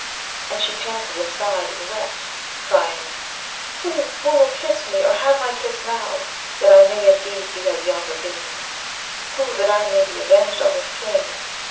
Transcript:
And she panted and sighed, and wept, crying, 'Who, who will kiss me or have my kiss now, that I may indeed be as yonder beam? Who, that I may be avenged on this King?